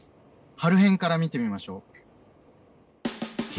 春編から見てみましょう。